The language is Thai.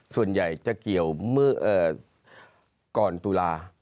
ส่วนใหญ่จะเกี่ยวก่อนตุลา